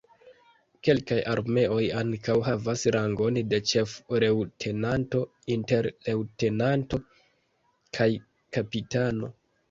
Kelkaj armeoj ankaŭ havas rangon de ĉef-leŭtenanto inter leŭtenanto kaj kapitano.